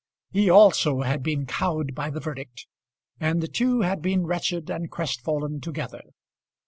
He also had been cowed by the verdict, and the two had been wretched and crestfallen together.